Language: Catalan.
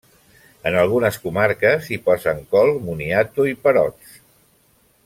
En algunes comarques hi posen col, moniato i perots.